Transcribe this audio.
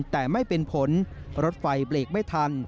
แต่ไม่เป็นผลรถไฟเบรกไม่ทัน